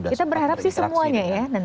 kita berharap sih semuanya ya